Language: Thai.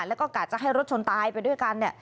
และก็กะจักให้รถชนตายไปด้วยกัน